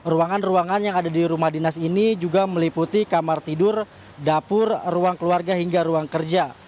ruangan ruangan yang ada di rumah dinas ini juga meliputi kamar tidur dapur ruang keluarga hingga ruang kerja